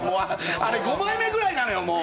あれ、５枚目ぐらいなのよ、もう。